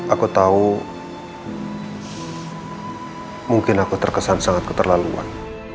aku tahu mungkin aku terkesan sangat keterlaluan